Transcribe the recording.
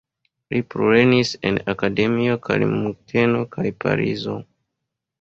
Li plulernis en akademioj de Munkeno kaj Parizo.